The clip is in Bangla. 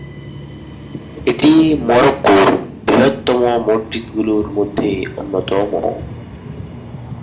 এটি মরক্কোর বৃহত্তম মসজিদগুলোর মধ্যে অন্যতম।